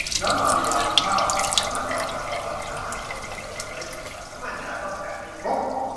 น้ำมันรำข้าว น้ำมันดอกทานตะวัน น้ำมันถั่วเหลือง น้ำมันเมล็ดผักกาด น้ำมันงา ต้องจัดให้ครบ